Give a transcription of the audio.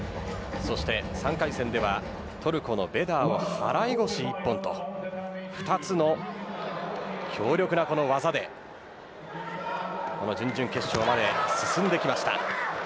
そして３回戦ではトルコのベダーを払腰一本と２つの強力な技でこの準々決勝まで進んできました。